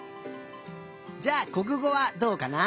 じゃあこくごはどうかな？